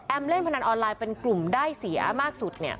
เล่นพนันออนไลน์เป็นกลุ่มได้เสียมากสุด